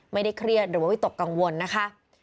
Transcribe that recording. ไม่ได้เครียดหรือว่าวิตกกังวลนะคะ